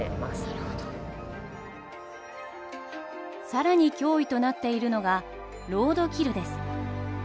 更に脅威となっているのがロードキルです。